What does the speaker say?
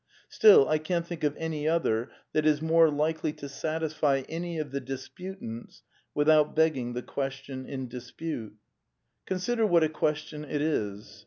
Still, I can't think of any other that is more likely to satisfy any of the dispu tants without begging the question in dispute. Consider what a question it is.